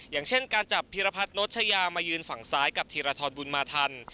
อย่างเช่นการจับพีรพัฒน์โนชยามายืนฝั่งซ้ายกับธีรทรบุญมาทัน